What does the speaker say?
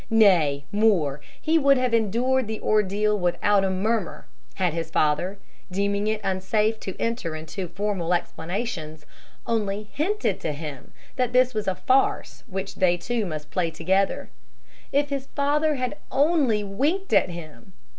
Nay, more, he would have endured the ordeal without a murmur had his father, deeming it unsafe to enter into formal explanations, only hinted to him that this was a farce which they two must play together. If his father had only winked at him!